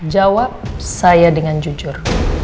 jawab saya dengan jujur